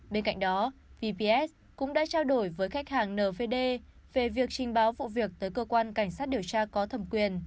bên cạnh đó vps cũng đã trao đổi với khách hàng nvd về việc trình báo vụ việc tới cơ quan cảnh sát điều tra có thẩm quyền